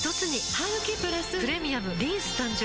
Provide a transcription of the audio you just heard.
ハグキプラス「プレミアムリンス」誕生